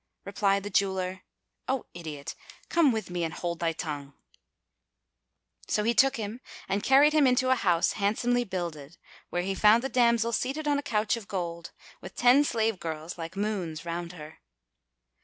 Replied the jeweller, "O idiot, come with me and hold thy tongue." So he took him and carried him into a house handsomely builded, where he found the damsel seated on a couch of gold, with ten slave girls like moons round her.